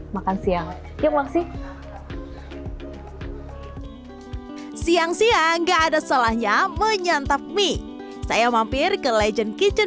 makan siang siang siang nggak ada salahnya menyantap mie saya mampir ke legend kitchen